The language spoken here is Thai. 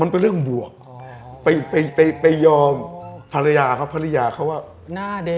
มันเป็นเรื่องบวกไปไปยอมภรรยาเขาภรรยาเขาว่าหน้าเด็ก